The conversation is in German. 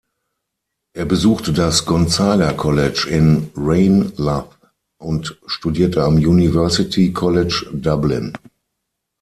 Er besuchte das "Gonzaga College" in Ranelagh und studierte am University College Dublin.